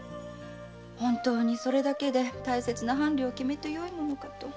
本当にそれだけで大切な伴侶を決めてよいものかと。